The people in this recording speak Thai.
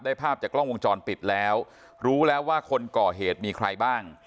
ภาพจากกล้องวงจรปิดแล้วรู้แล้วว่าคนก่อเหตุมีใครบ้าง